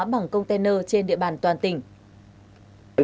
bằng container trên địa bàn toàn tỉnh